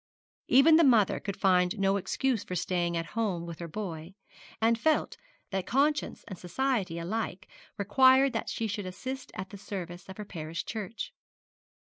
Even the mother could find no excuse for staying at home with her boy, and felt that conscience and society alike required that she should assist at the service of her parish church.